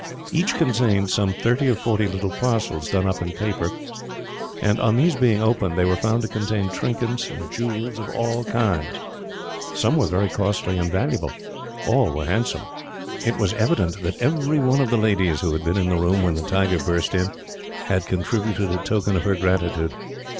Each contained some thirty or forty little parcels, done up in paper; and on these being opened, they were found to contain trinkets and jewels of all kinds. Some were very costly and valuable. All were handsome. It was evident that every one of the ladies who had been in the room, when the tiger burst in, had contributed a token of her gratitude.